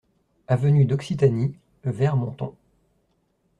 Avenue D'Occitanie, Veyre-Monton